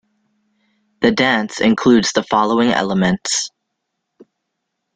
The dance includes the following elements.